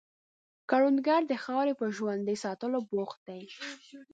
کروندګر د خاورې په ژوندي ساتلو بوخت دی